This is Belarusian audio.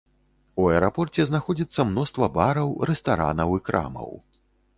У аэрапорце знаходзіцца мноства бараў, рэстаранаў і крамаў.